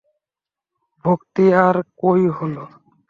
ভক্তি আর কই হল!